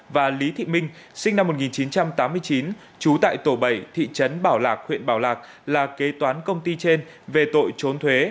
và lý thị minh sinh năm một nghìn chín trăm tám mươi chín trú tại tổ bảy thị trấn bảo lạc huyện bảo lạc là kế toán công ty trên về tội trốn thuế